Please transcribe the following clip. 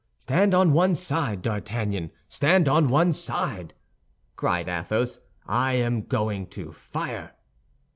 "Stand on one side, D'Artagnan, stand on one side," cried Athos. "I am going to fire!"